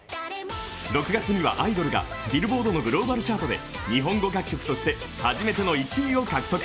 ６月には「アイドル」がビルボードのグローバルチャートで日本語楽曲として初めての１位を獲得。